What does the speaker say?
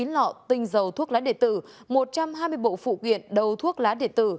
bốn mươi chín lọ tinh dầu thuốc lá địa tử một trăm hai mươi bộ phụ kiện đầu thuốc lá địa tử